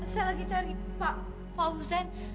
saya lagi cari pak fauzan